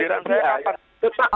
giliran saya akan setahun sekali